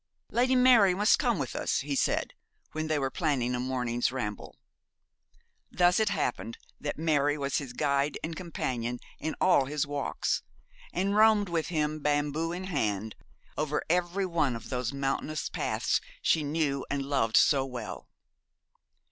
'Lady Mary must come with us,' he said, when they were planning a morning's ramble. Thus it happened that Mary was his guide and companion in all his walks, and roamed with him bamboo in hand, over every one of those mountainous paths she knew and loved so well.